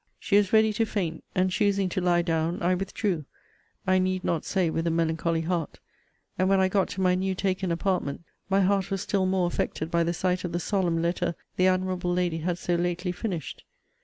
She was ready to faint, and choosing to lie down, I withdrew; I need not say with a melancholy heart: and when I got to my new taken apartment, my heart was still more affected by the sight of the solemn letter the admirable lady had so lately finished.